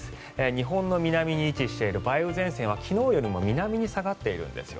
日本の南に位置している梅雨前線は昨日より南に下がっています。